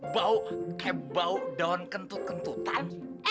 bau kayak bau daun kentut kentutan